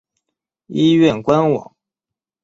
医院官网